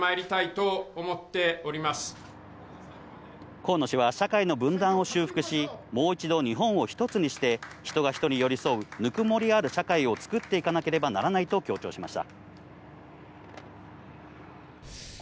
河野氏は社会の分断を修復し、もう一度、日本を一つにして、人が人に寄り添う、ぬくもりある社会を作っていかなければならないと強調しました。